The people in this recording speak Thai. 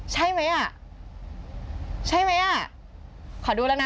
ใช่มั้ยอ่ะใช่มั้ยอ่ะขอดูแล้วนะ